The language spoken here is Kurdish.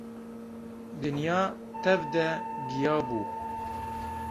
Dinya tev de giya bû.